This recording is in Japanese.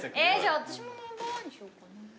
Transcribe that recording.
私もナンバーワンにしようかな。